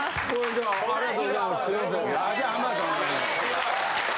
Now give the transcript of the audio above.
じゃあありがとうございます。